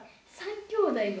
３きょうだいだよ。